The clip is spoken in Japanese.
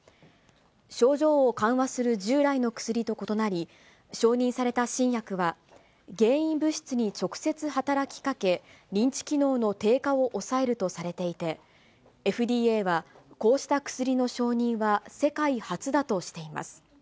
症状を緩和する従来の薬と異なり、承認された新薬は、原因物質に直接働きかけ、認知機能の低下を抑えるとされていて、ＦＤＡは、こうした薬の承認は世界初だとしています。